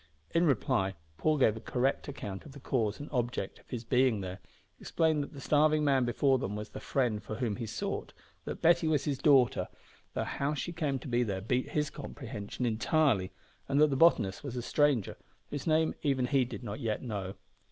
In reply Paul gave a correct account of the cause and object of his being there, explained that the starving man before them was the friend for whom he sought, that Betty was his daughter, though how she came to be there beat his comprehension entirely, and that the botanist was a stranger, whose name even he did not yet know.